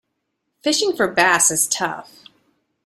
Fishing for bass is tough.